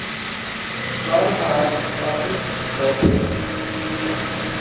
بہرحال واپس لوٹیں گے۔